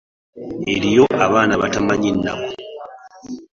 Eriyo abaana abatamanyi nnaku.